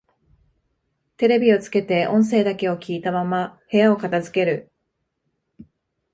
テレビをつけて音声だけを聞いたまま部屋を片づける